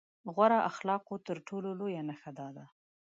غوره اخلاقو تر ټولو لويه نښه دا ده.